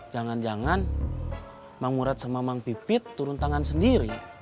jangan jangan mangurat sama mang pipit turun tangan sendiri